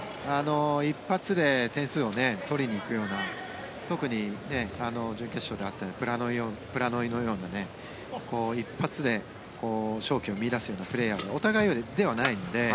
１発で点数を取りに行くような特に準決勝であったプラノイのような一発で勝機を見いだすようなプレーヤーがお互いではないので